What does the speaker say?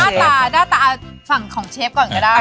หน้าตาฝั่งของเชฟก่อนก็ได้